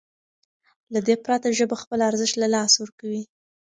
له دې پرته ژبه خپل ارزښت له لاسه ورکوي.